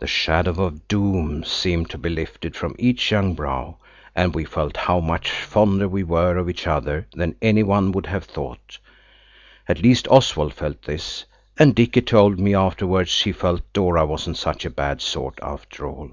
The shadow of doom seemed to be lifted from each young brow, and we felt how much fonder we were of each other than any one would have thought. At least Oswald felt this, and Dicky told me afterwards he felt Dora wasn't such a bad sort after all.